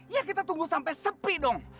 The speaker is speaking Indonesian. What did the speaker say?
ya kita tunggu sampai sepi dong